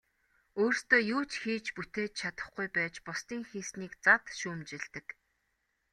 Өөрсдөө юу ч хийж бүтээж чадахгүй байж бусдын хийснийг зад шүүмжилдэг.